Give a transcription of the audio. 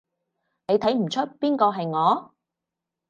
你睇唔岀邊個係我？